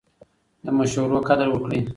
د مشورو قدر وکړئ.